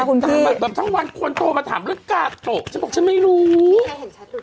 คุณพี่แบบทั้งวันควรโตมาถามเรื่องกาโตว่ะฉันบอกฉันไม่รู้มีใครเห็นชัด